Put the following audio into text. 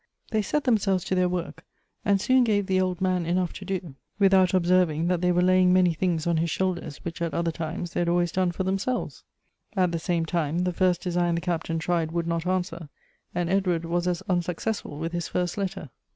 They set themselves to their work, and soon gave the old man enough to do, without 62 Goethe's observing that they were laying many things on his shoulders which at other times they had always done for themselves. At the same time, the first design the Cap tain tried would not answer, and Edward was as unsuc cessful with his first letter.